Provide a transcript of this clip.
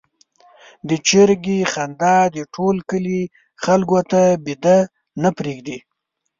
د چرګې خندا د ټول کلي خلکو ته بېده نه پرېږدي.